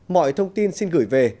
mọi thông tin xin gửi về